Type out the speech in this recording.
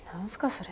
それ。